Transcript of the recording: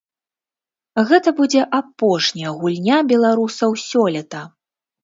Гэта будзе апошняя гульня беларусаў сёлета.